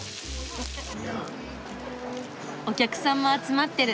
お客さんも集まってる。